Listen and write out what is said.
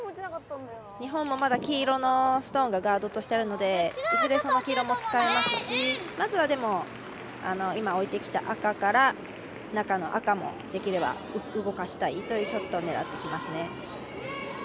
日本もまだ黄色のストーンがガードとしてあるのでいずれその黄色も使いますしまずは、今置いてきた赤から中の赤もできれば動かしたいというショットを狙ってきますね。